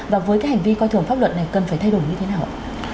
và với hành vi coi thường pháp luận này cần phải thay đổi như thế nào ạ